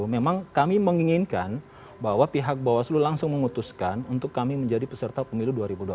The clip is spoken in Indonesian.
memang kami menginginkan bahwa pihak bawaslu langsung memutuskan untuk kami menjadi peserta pemilu dua ribu dua puluh